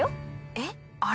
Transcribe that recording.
えっ？あれ？